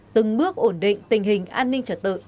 từng bước ổn định tình hình an ninh trật tự trên địa bàn